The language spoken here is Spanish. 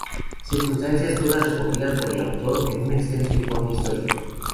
Circunstancias todas recogidas por el autor en un extenso informe histórico.